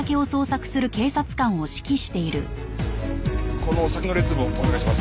この先の列もお願いします。